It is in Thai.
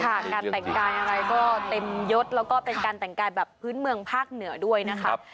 การแต่งกายอะไรก็เต็มยดแล้วก็เป็นการแต่งกายแบบพื้นเมืองภาคเหนือด้วยนะครับ